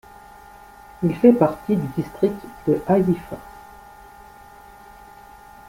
Il fait partie du district de Haïfa.